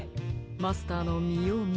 マスターのみようみ